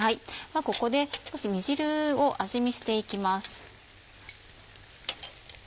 ここで少し煮汁を味見していきます。